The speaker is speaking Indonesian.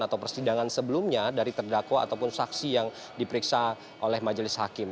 atau persidangan sebelumnya dari terdakwa ataupun saksi yang diperiksa oleh majelis hakim